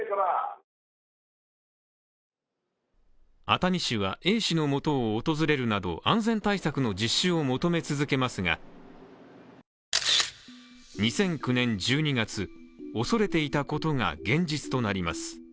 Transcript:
熱海市はＡ氏の元を訪れるなど安全対策の実施を求め続けますが２００９年１２月、恐れていたことが現実となります。